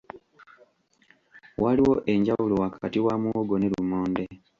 Waliwo enjawulo wakati wa muwogo ne lumonde